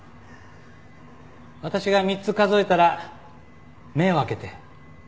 私が３つ数えたら目を開けて。